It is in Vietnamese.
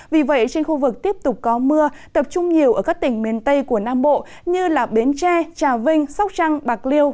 vì vậy trên khu vực tiếp tục có mưa tập trung nhiều ở các tỉnh miền tây của nam bộ như bến tre trà vinh sóc trăng bạc liêu